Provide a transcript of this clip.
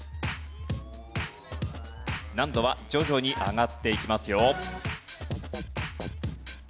難度は徐々に上がっていきますよ。